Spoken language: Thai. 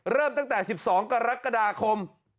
เริ่มตั้งแต่สิบสองกรกฎาคม